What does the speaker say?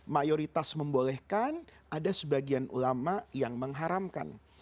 mayoritas membolehkan ada sebagian ulama yang mengharamkan